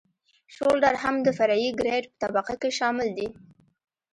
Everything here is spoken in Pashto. شولډر هم د فرعي ګریډ په طبقه کې شامل دی